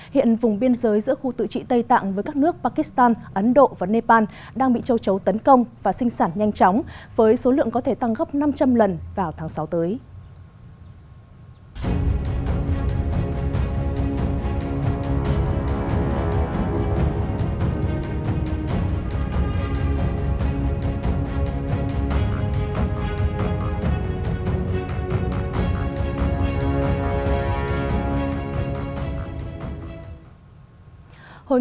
hiện vùng biên giới giữa khu tự trị tây tạng với các nước pakistan ấn độ và nepal đang bị châu chấu tấn công và sinh sản nhanh chóng với số lượng có thể tăng gấp năm trăm linh lần vào tháng sáu tới